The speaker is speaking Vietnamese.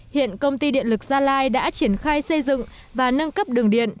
hiện công ty điện lực gia lai đã triển khai xây dựng và nâng cấp đường điện